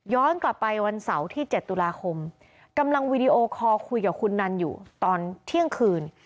กลับไปวันเสาร์ที่๗ตุลาคมกำลังวีดีโอคอลคุยกับคุณนันอยู่ตอนเที่ยงคืน